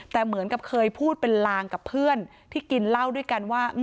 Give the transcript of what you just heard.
แต่เหมือนกับเคยพูดเป็นลางกับเพื่อนที่กินเหล้าด้วยกันว่า